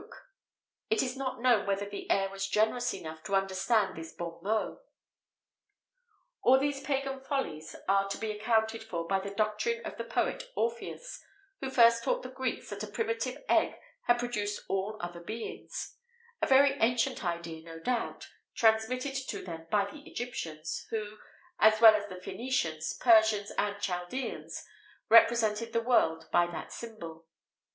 [XVIII 70] It is not known whether the heir was generous enough to understand this bon mot. All these pagan follies are to be accounted for by the doctrine of the poet Orpheus, who first taught the Greeks that a primitive egg had produced all other beings;[XVIII 71] a very ancient idea, no doubt, transmitted to them by the Egyptians, who, as well as the Phœnicians, Persians, and Chaldeans, represented the world by that symbol.